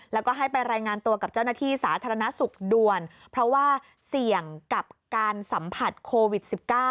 แล้วก็ให้ไปรายงานตัวกับเจ้าหน้าที่สาธารณสุขด่วนเพราะว่าเสี่ยงกับการสัมผัสโควิด๑๙